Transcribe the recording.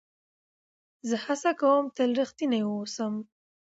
زه هڅه کوم تل رښتینی واوسم.